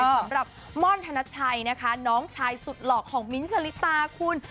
สำหรับม่อนธนชัยนะคะน้องชายสุดหลอกของมิ้นท์ชะลิตาคุณ